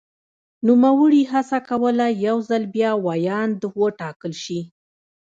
نوموړي هڅه کوله یو ځل بیا ویاند وټاکل شي.